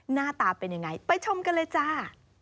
หน้าตาเป็นยังไงไปชมกันเลยจ้า